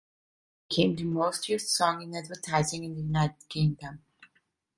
It became the most-used song in advertising in the United Kingdom.